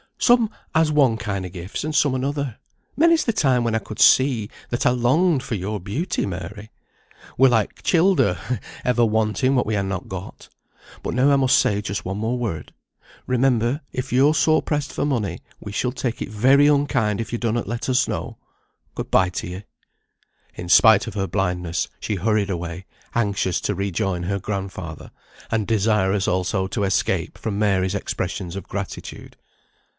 "Some has one kind o' gifts, and some another. Many's the time when I could see, that I longed for your beauty, Mary! We're like childer, ever wanting what we han not got. But now I must say just one more word. Remember, if you're sore pressed for money, we shall take it very unkind if you donnot let us know. Good bye to ye." In spite of her blindness she hurried away, anxious to rejoin her grandfather, and desirous also to escape from Mary's expressions of gratitude.